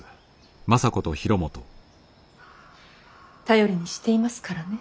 頼りにしていますからね。